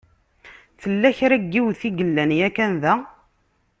Tella kra n yiwet i yellan yakan da.